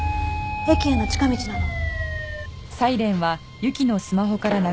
駅への近道なの。